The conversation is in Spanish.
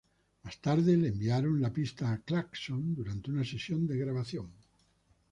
Más tarde le enviaron la pista a Clarkson durante su sesión de grabación.